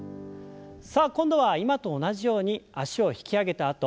さあ今度は今と同じように脚を引き上げた